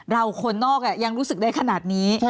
คนนอกยังรู้สึกได้ขนาดนี้